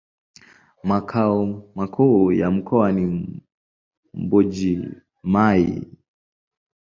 Makao makuu ya mkoa ni Mbuji-Mayi.